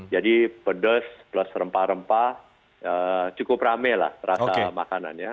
jadi pedas plus rempah rempah cukup rame lah rata makanannya